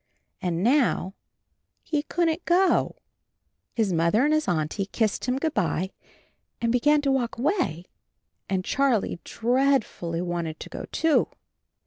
And now he couldn't go ! His Mother and his Auntie kissed him good by and began to walk away, and Charlie dreadfully wanted to go, too.